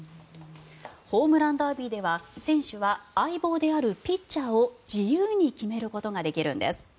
ホームランダービーでは選手は相棒であるピッチャーを自由に決めることができるんです。